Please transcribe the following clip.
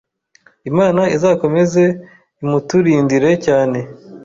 Imana izakomeze imuturindire cyane